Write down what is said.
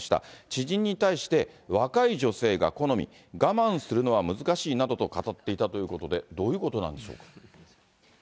知人に対して、若い女性が好み、我慢するのは難しいなどと語っていたということで、どういうことなんでしょう。